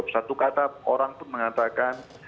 satu kata orang pun mengatakan